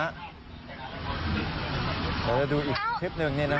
เราจะดูอีกคลิปหนึ่งเนี่ยนะฮะ